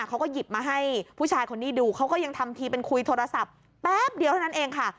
เขาก็หยิบมาให้ผู้ชายคนนี้ดูเขาก็ยังทำทีเป็นคุยโทรศัพท์แป๊บเดียวเท่านั้นเองค่ะ